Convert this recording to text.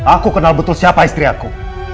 aku kenal betul siapa istri aku